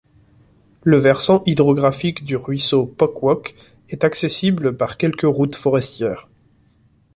Le versant hydrographique du ruisseau Pocwock est accessible par quelques routes forestières.